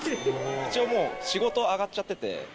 一応もう仕事上がっちゃってて。